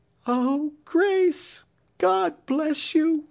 'Oh, Grace. God bless you!